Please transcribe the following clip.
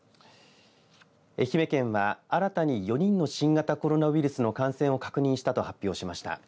愛媛県は新たに４人の新型コロナウイルスの感染を確認したと発表しました。